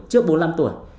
trước bốn mươi năm tuổi